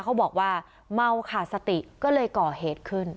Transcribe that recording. เขาบอกว่าเมาขาดสติก็เลยก่อเหตุขึ้น